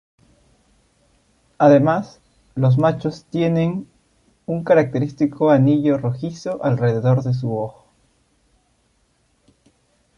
Además, los machos tienen un característico anillo rojizo alrededor de su ojo.